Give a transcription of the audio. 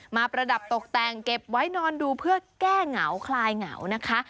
ประดับตกแต่งเก็บไว้นอนดูเพื่อแก้เหงาคลายเหงานะคะ